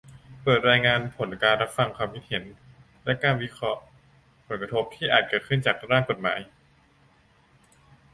เปิดรายงานผลการรับฟังความคิดเห็น และการวิเคราะห์ผลกระทบที่อาจเกิดขึ้นจากร่างกฎหมาย